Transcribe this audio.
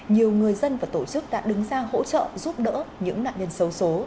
nhiều người dân và tổ chức đã đứng ra hỗ trợ giúp đỡ những nạn nhân xấu xố